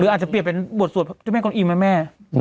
หรืออาจจะเปลี่ยนเป็นบทสวดพระเจ้าแม่คนอีมแม่